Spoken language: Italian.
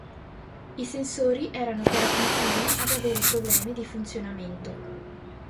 I sensori erano però inclini ad avere problemi di funzionamento.